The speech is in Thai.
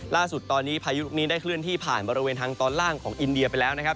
ล่าสุดตอนนี้พายุลูกนี้ได้เคลื่อนที่ผ่านบริเวณทางตอนล่างของอินเดียไปแล้วนะครับ